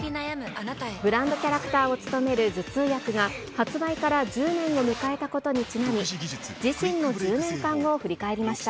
ブランドキャラクターを務める頭痛薬が、発売から１０年を迎えたことにちなみ、自身の１０年間を振り返りました。